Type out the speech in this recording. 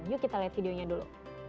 yuk kita lihat videonya dulu